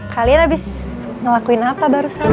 kalian abis ngelakuin apa barusan